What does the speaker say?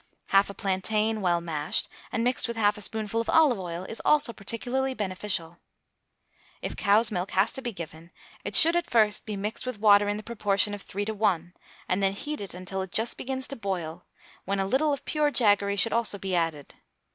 Half a plantain well mashed and mixed with half a spoonful of olive oil is also particularly beneficial. If cow's milk has to be given, it should at first be mixed with water in the proportion of three to one, and then heated until it just begins to boil, when a little of pure jaggery should also be added.